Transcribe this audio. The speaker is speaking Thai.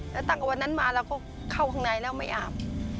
แล้วตั้งแต่วันนั้นมาเราก็เข้าข้างในแล้วไม่อาบ